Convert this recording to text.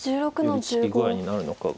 寄り付き具合になるのかが。